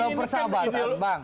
kalau persahabatan bang